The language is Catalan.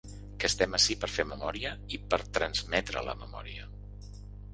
Que estem ací per fer memòria i per transmetre la memòria.